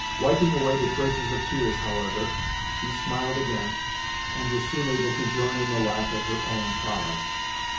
Wiping away the traces of tears, however, she smiled again, and was soon able to join in the laugh at her own folly.